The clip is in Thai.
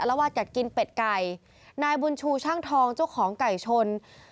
แล้วว่าอยากกินเป็ดไก่นายบุญชูช่างทองเจ้าของไก่ชน